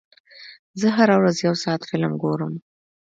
زه هره ورځ یو ساعت فلم ګورم.